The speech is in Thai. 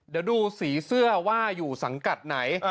เดี๋ยวดูสีเสื้อว่าอยู่สังกัดไหน